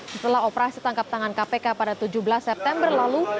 setelah operasi tangkap tangan kpk pada tujuh belas september lalu